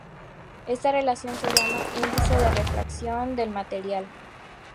Esta relación se llama índice de refracción del material.